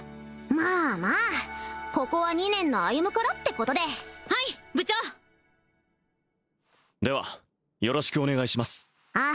まあまあここは２年の歩からってことではい部長ではよろしくお願いしますああ